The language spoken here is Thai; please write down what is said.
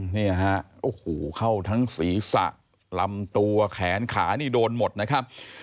นี่ฮะเขาทั้งศีรษะลำตัวแขนขาโดนหมดนะครับ